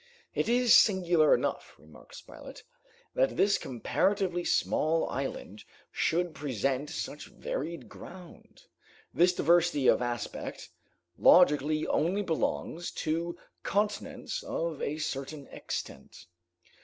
"It is singular enough," remarked Spilett, "that this comparatively small island should present such varied ground. This diversity of aspect, logically only belongs to continents of a certain extent.